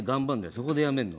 そこで辞めるの。